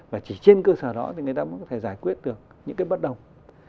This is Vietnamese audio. và chỉ trên cơ sở đó thì người ta có thể giải quyết được những bất đồng